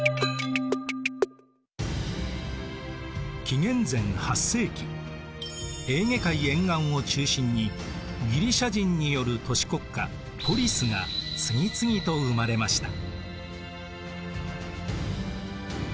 紀元前８世紀エーゲ海沿岸を中心にギリシア人による都市国家ポリスが次々と生まれました。